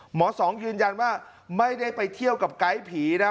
สองยืนยันว่าไม่ได้ไปเที่ยวกับไกด์ผีนะ